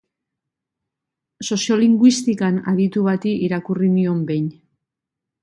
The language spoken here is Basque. Soziolinguistikan aditu bati irakurri nion behin.